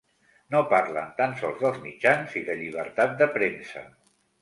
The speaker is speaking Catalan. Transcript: No parlen tan sols dels mitjans i de llibertat de premsa.